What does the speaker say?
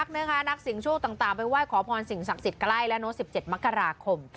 มีอู๋คึกคักนะคะนักสิงห์โชคต่างไปไหว้ขอพรสิงห์ศักดิ์สิทธิ์ใกล้แล้วเนอะ๑๗มกราคม